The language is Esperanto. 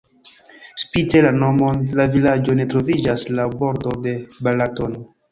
Spite la nomon la vilaĝo ne troviĝas laŭ bordo de Balatono.